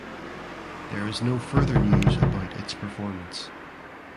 There is no further news about its performance.